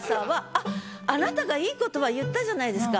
あっあなたがいい言葉言ったじゃないですか。